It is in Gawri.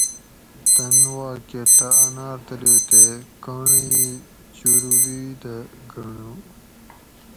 تن واکہ ڷہ انار تلو تے کنڑ ای چُوروٹی دہ گۤھنڑو